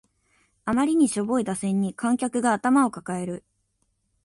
あまりにしょぼい打線に観客が頭を抱える